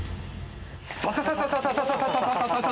サササササ。